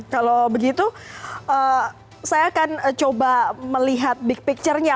kalau begitu saya akan coba melihat big picture nya